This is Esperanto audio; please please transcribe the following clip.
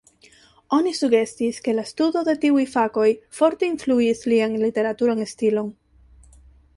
Oni sugestis ke la studo de tiuj fakoj forte influis lian literaturan stilon.